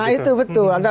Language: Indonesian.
nah itu betul